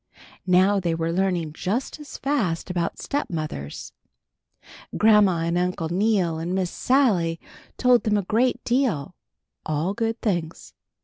Now they were learning just as fast about stepmothers. Grandma and Uncle Neal and Miss Sally told them a great deal; all good things.